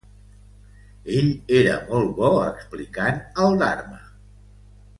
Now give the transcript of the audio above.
Ell era molt bo explicant el "dharma".